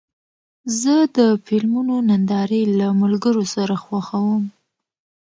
زه د فلمونو نندارې له ملګرو سره خوښوم.